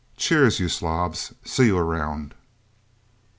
Cheers, you slobs. See you around..."